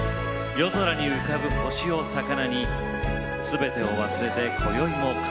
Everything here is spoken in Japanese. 夜空に浮かぶ星をさかなにすべてを忘れてこよいも乾杯。